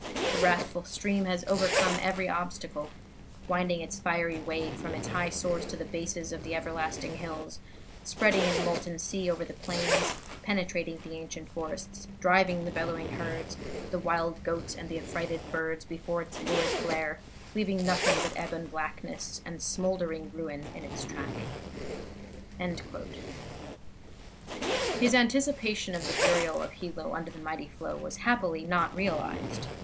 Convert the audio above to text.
The wrathful stream has overcome every obstacle, winding its fiery way from its high source to the bases of the everlasting hills, spreading in a molten sea over the plains, penetrating the ancient forests, driving the bellowing herds, the wild goats and the affrighted birds before its lurid glare, leaving nothing but ebon blackness and smoldering ruin in its track." His anticipation of the burial of Hilo under the mighty flow was happily not realized.